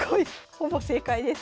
ほぼ正解です！